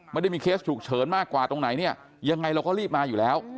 ไม่ได้มีเคสฉุกเฉินมากกว่าตรงไหนเนี่ยยังไงเราก็รีบมาอยู่แล้ว